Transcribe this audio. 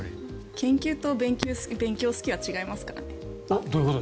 研究と勉強好きは違いますからね。